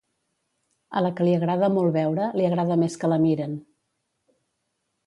A la que li agrada molt veure, li agrada més que la miren.